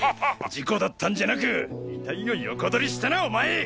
事故だったんじゃなく遺体を横取りしたなお前！